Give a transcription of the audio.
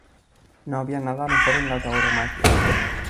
No había nada mejor en la tauromaquia.